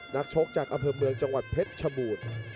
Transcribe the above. นักชกจากอำเภอเมืองจังหวัดเพชรชบูรณ์